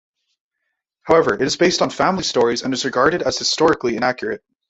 However it is based on family stories and is regarded as historically inaccurate.